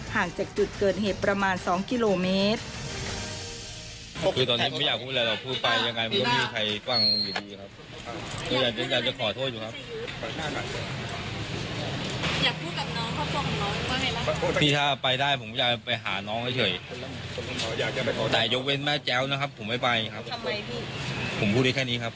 ห่างจากจุดเกิดเหตุประมาณ๒กิโลเมตร